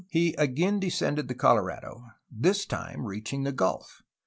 In 1702 he again descended the Colorado, this time reaching the gulf.